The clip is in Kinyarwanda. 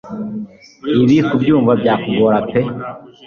ibi kubyumva byakugora pee